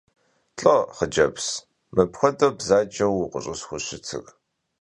Lh'o, xhıcebz, mıpxuedeu bzaceu vukhış'ısxuşıtır?